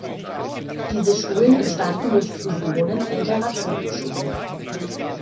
Diese Schulen entstanden durch Fusionen älterer Truppenschulen.